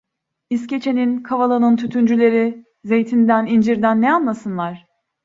İskeçe'nin, Kavala'nın tütüncüleri… Zeytinden, incirden ne anlasınlar?